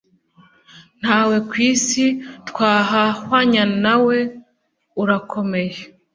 ntawe kw'si twahahwanya nawe urakomeye